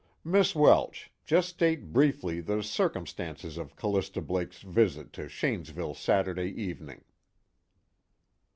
"Miss Welsh, just state briefly the circumstances of Callista Blake's visit to Shanesville Saturday evening."